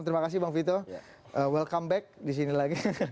terima kasih bang vito welcome back di sini lagi